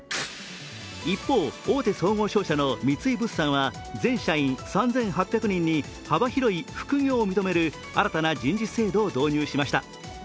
一方、大手総合商社の三井物産は全社員３８００人に幅広い副業を認める新たな人事制度を導入しました。